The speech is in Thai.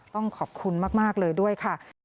ต้องขอบคุณมากเลยด้วยค่ะ